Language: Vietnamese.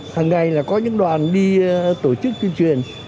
hằng ngày là có những đoàn đi tổ chức tuyên truyền